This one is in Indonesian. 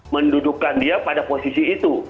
mendudukan dia pada posisi itu